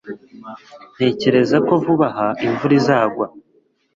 ntekereza ko vuba aha imvura izagwa